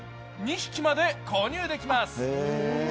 ２匹まで購入できます。